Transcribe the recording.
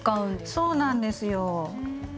そうなんですよ。